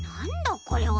これは？